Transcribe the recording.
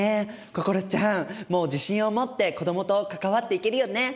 心ちゃんもう自信を持って子どもと関わっていけるよね？